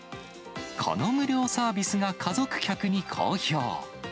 この無料サービスが家族客に好評。